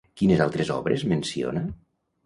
Quines altres obres menciona?